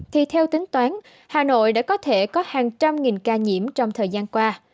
thì theo tính toán hà nội đã có thể có hàng trăm nghìn ca nhiễm trong thời gian qua